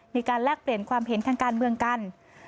แลกเปลี่ยนความเห็นทางการเมืองกัน